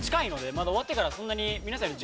まだ終わってからそんなに皆さんより。